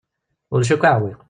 Ulac akk aɛewwiq.